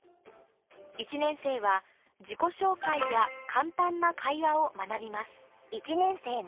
１年生は自己紹介や簡単な会話を学びます・じゃあ